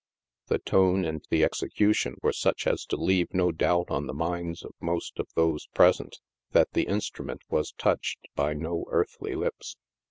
The tone and the execution were such as to leave no doubt on the minds of most of those pres ent that the instrument was touched by no earthly lips.